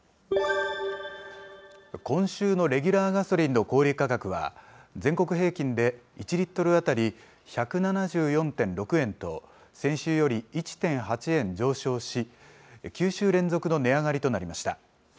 今週のレギュラーガソリンの小売り価格は、全国平均で１リットル当たり１７４．６円と、先週より１．８円上昇し、９週連続の値上がりとなりました。